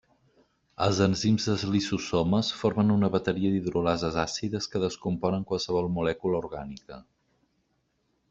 Els enzims dels lisosomes, formen una bateria d'hidrolases àcides, que descomponen qualsevol molècula orgànica.